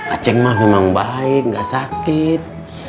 aceh mah memang baik nggak sakit